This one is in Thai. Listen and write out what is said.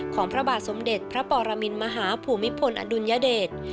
พระบาทสมเด็จพระปรมินมหาภูมิพลอดุลยเดช